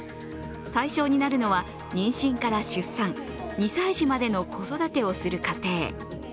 対象になるのは妊娠から出産、２歳児までの子育てをする家庭。